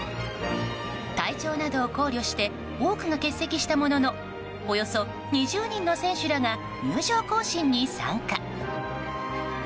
体調などを考慮して多くが欠席したもののおよそ２０人の選手らが入場行進に参加。